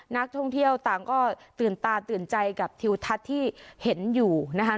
นักท่องเที่ยวต่างก็ตื่นตาตื่นใจกับทิวทัศน์ที่เห็นอยู่นะคะ